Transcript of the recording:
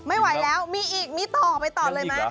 ไม่ไหวแล้วมีอีกมีต่อไปต่อเลยไหม